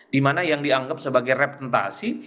dimana yang dianggap sebagai representasi